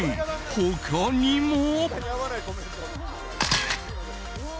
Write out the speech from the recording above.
他にも。